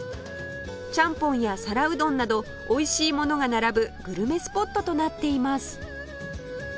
ちゃんぽんや皿うどんなどおいしいものが並ぶグルメスポットとなっています